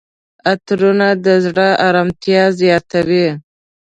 عطرونه د زړه آرامتیا زیاتوي.